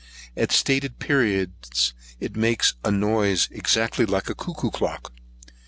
At stated periods it makes a noise exactly like a cuckoo clock.